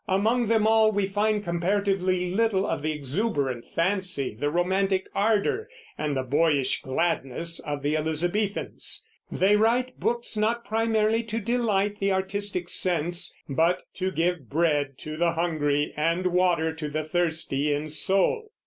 Among them all we find comparatively little of the exuberant fancy, the romantic ardor, and the boyish gladness of the Elizabethans. They write books not primarily to delight the artistic sense, but to give bread to the hungry and water to the thirsty in soul.